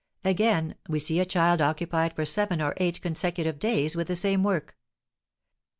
Again, we see a child occupied for seven or eight consecutive days with the same work.